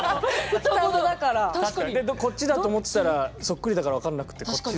でこっちだと思ってたらそっくりだから分かんなくてこっちで。